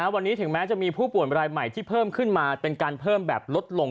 วันนี้ถึงแม้จะมีผู้ป่วยรายใหม่ที่เพิ่มขึ้นมาเป็นการเพิ่มแบบลดลง